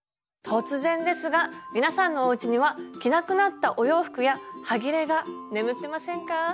突然ですが皆さんのおうちには着なくなったお洋服やはぎれが眠ってませんか？